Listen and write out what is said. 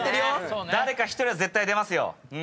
誰か１人は絶対出ますよ。